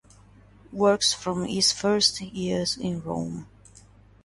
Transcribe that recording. Works from his First Years in Rome".